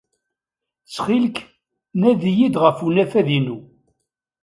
Ttxil-k, nadi-iyi-d ɣef unafad-inu.